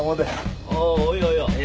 あいやいや。